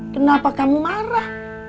kenapa kamu marah